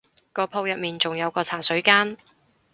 個鋪入面仲有個茶水間